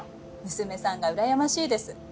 娘さんがうらやましいです。